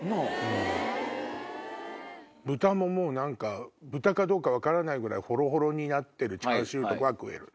豚ももう何か豚かどうか分からないぐらいホロホロになってるチャーシューとかは食える。